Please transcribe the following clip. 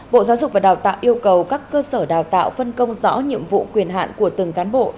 bộ giáo dục và đào tạo yêu cầu các cơ sở đào tạo phân công rõ nhiệm vụ quyền hạn của từng cán bộ